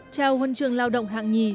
chào huân trường lao động hạng nhì